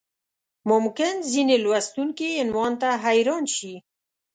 ممکن ځینې لوستونکي عنوان ته حیران شي.